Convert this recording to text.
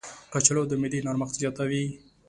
کچالو د معدې نرمښت زیاتوي.